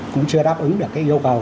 cũng chưa đáp ứng được yêu cầu